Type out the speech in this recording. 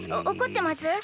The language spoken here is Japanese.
おこってます？